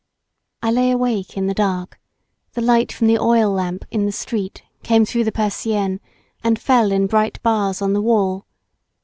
I lay awake in the dark, the light from the oil lamp in the street came through the Persiennes and fell in bright bars on the wall.